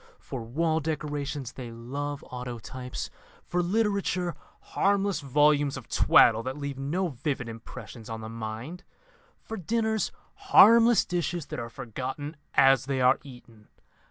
For wall decorations they love autotypes; for literature, harmless volumes of twaddle that leave no vivid impressions on the mind; for dinners, harmless dishes that are forgotten as they are eaten.